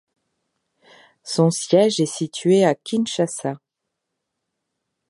Son siège est situé à Kinshasa.